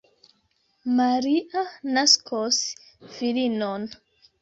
Maria naskos filinon.